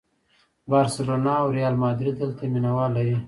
بارسلونا او ریال ماډریډ دلته مینه وال لري.